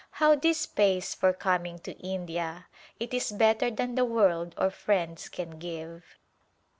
How this pays for coming to India ! It is better than the world or friends can give.